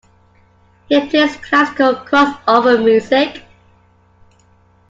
He plays classical crossover music.